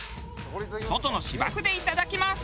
外の芝生でいただきます！